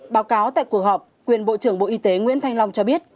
báo cáo tại cuộc họp quyền bộ trưởng bộ y tế nguyễn thanh long cho biết